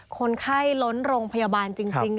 คนไข้ล้นโรงพยาบาลจริง